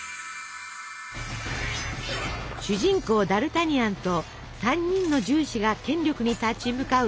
主人公ダルタニアンと３人の銃士が権力に立ち向かう